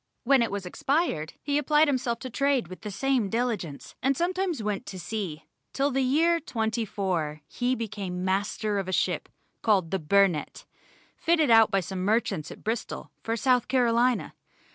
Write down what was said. When it was expired, he applied himself to trade with the same diligence, and sometimes went to sea, till in the year '24 he became master of a ship called the Burnett, fitted out by some merchants at Bristol, for South Carolina.